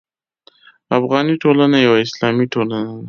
افغاني ټولنه یوه اسلامي ټولنه ده.